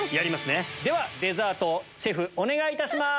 ではデザートをシェフお願いいたします。